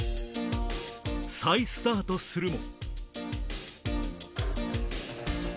再スタートするも